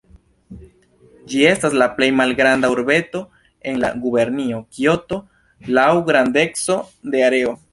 Ĝi estas la plej malgranda urbeto en la gubernio Kioto laŭ grandeco de areo.